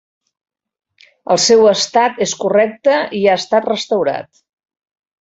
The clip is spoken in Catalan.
El seu estat és correcte i ha estat restaurat.